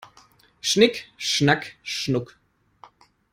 Schnick schnack schnuck!